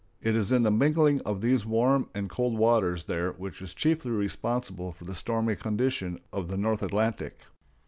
It is the mingling of these warm and cold waters there which is chiefly responsible for the stormy condition of the North Atlantic.